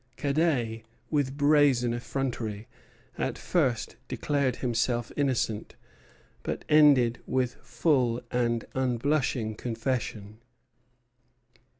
Cadet, with brazen effrontery, at first declared himself innocent, but ended with full and unblushing confession.